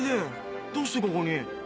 どうしてここに？